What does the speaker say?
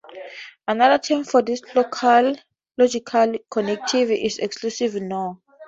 Another term for this logical connective is exclusive nor.